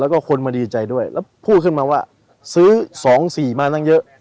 แล้วก็คนมาดีใจด้วยแล้วพูดขึ้นมาว่าซื้อ๒๔มาตั้งเยอะ